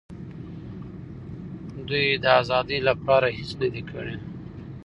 دوی د آزادۍ لپاره هېڅ نه دي کړي.